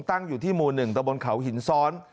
ตั้งอยู่ที่หมู่๑ตะบนเขาหินซ้อน